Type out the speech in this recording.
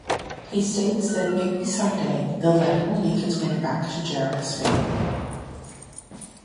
He states that maybe someday, the letter will make its way to Jarok's family.